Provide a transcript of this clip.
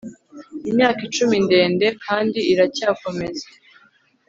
Imyaka icumi ndende kandi iracyakomeza